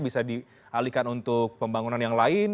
bisa dialihkan untuk pembangunan yang lain